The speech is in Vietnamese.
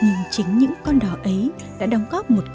nhưng chính những con đỏ ấy đã đóng góp một cái tâm sâu